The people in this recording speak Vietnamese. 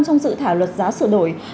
trong sự thảo luật giá sửa đổi